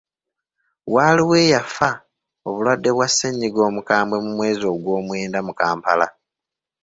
Waaliwo eyafa obulwadde bwa ssennyiga omukambwe mu mwezi gwomwenda mu Kampala.